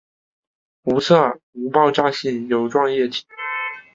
无色无爆炸性油状液体。